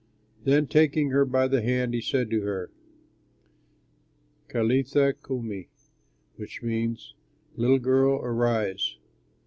Then, taking her by the hand, he said to her, "Talitha koumi," which means, "Little girl, arise."